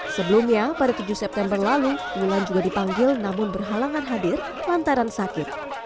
sebelumnya pada tujuh september lalu wulan juga dipanggil namun berhalangan hadir lantaran sakit